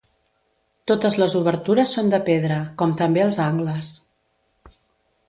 Totes les obertures són de pedra, com també els angles.